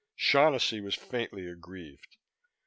Shaughnessy was faintly aggrieved.